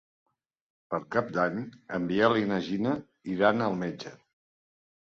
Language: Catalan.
Per Cap d'Any en Biel i na Gina iran al metge.